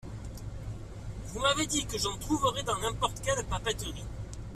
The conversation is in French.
Vous m’avez dit que j’en trouverai dans n’importe quelle papeterie.